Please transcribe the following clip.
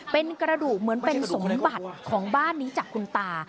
เป็นกระดูกเหมือนเป็นสมบัติของบ้านนี้จากคุณตา